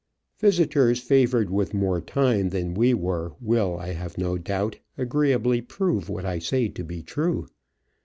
Visitors favoured with more time than we were will^ I have no doubt, agreeably prove what I say to be true.